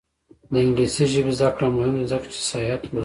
د انګلیسي ژبې زده کړه مهمه ده ځکه چې سیاحت هڅوي.